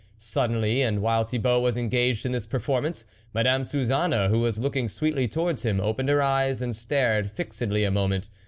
Suddenly, and while Thibault was engaged in this performance, Madame Suzanne, who was looking sweetly towards him, opened her eyes and stared fixedly a moment.